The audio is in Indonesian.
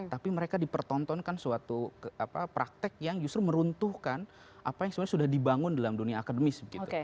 tapi mereka dipertontonkan suatu praktek yang justru meruntuhkan apa yang sebenarnya sudah dibangun dalam dunia akademis